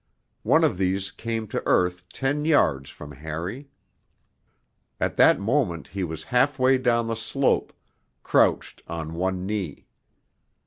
One of these came to earth ten yards from Harry. At that moment he was halfway down the slope, crouched on one knee.